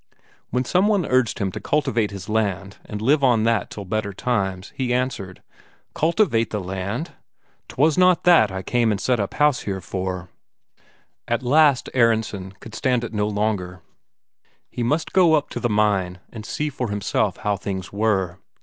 When some one urged him to cultivate his land and live on that till better times, he answered: "Cultivate the land? 'Twas not that I came and set up house here for." At last Aronsen could stand it no longer; he must go up to the mine and see for himself how things were.